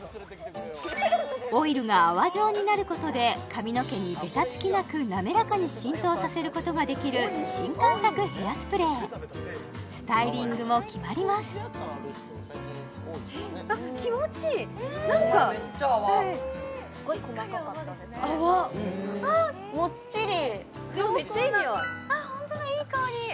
オイルが泡状になることで髪の毛にベタつきなく滑らかに浸透させることができる新感覚ヘアスプレースタイリングも決まりますなんかめっちゃ泡泡でもめっちゃいい匂いホントだいい香り